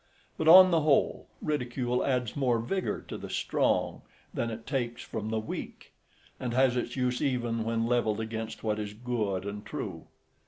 But on the whole, ridicule adds more vigour to the strong than it takes from the weak, and has its use even when levelled against what is good and true.